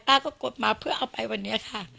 ป้าก็กดมาเพื่อเอาไปวันนี้ค่ะ